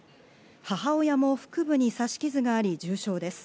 母親も腹部に刺し傷があり重傷です。